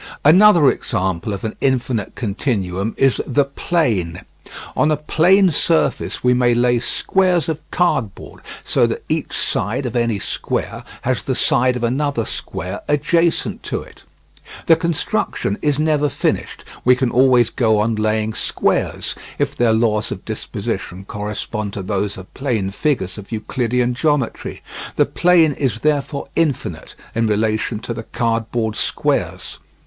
Another example of an infinite continuum is the plane. On a plane surface we may lay squares of cardboard so that each side of any square has the side of another square adjacent to it. The construction is never finished; we can always go on laying squares if their laws of disposition correspond to those of plane figures of Euclidean geometry. The plane is therefore infinite in relation to the cardboard squares.